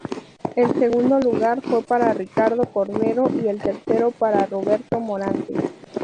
El segundo lugar fue para Ricardo Cordero y, el tercero, para Roberto Morante.